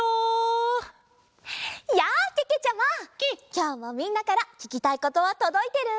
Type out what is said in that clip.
きょうもみんなからききたいことはとどいてる？